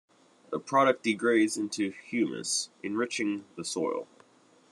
The product degrades into humus, enriching the soil.